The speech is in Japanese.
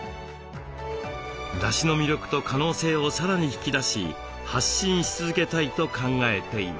だしの魅力と可能性をさらに引き出し発信し続けたいと考えています。